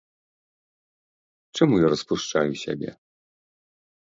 Чаму я распушчаю сябе?